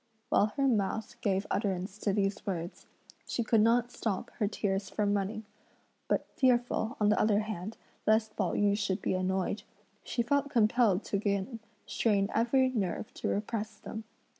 While her mouth gave utterance to these words, she could not stop her tears from running; but fearful, on the other hand, lest Pao yü should be annoyed, she felt compelled to again strain every nerve to repress them.